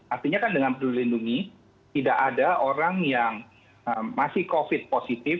artinya kan dengan peduli lindungi tidak ada orang yang masih covid positif